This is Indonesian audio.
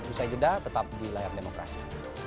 usai jeda tetap di layar demokrasi